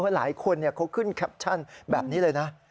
หลายคนเขาขึ้นแคปชั่นแบบนี้เลยนะ